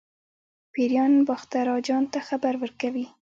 پیریان باختر اجان ته خبر ورکوي.